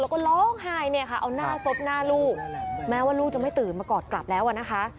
แล้วก็ร้องไห้เนี่ยค่ะเอาหน้าซบหน้าลูกแม้ว่าลูกจะไม่ตื่นมากอดกลับแล้วอ่ะนะคะ